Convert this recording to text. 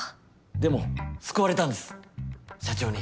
でも救われたんです社長に。